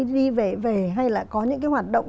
đi về về hay là có những cái hoạt động